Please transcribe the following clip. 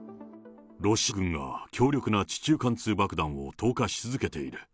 ロシア軍が強力な地中貫通爆弾を投下し続けている。